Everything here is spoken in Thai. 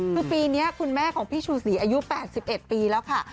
คือปีนี้คุณแม่ของพี่ชูศรีอายุ๘๑ปีแล้วค่ะ